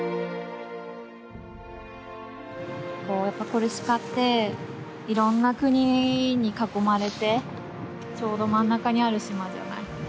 コルシカっていろんな国に囲まれてちょうど真ん中にある島じゃない。